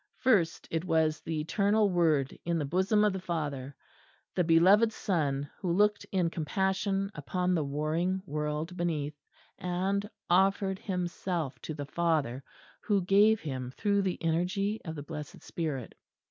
First it was the Eternal Word in the bosom of the Father, the Beloved Son who looked in compassion upon the warring world beneath; and offered Himself to the Father who gave Him through the Energy of the Blessed Spirit.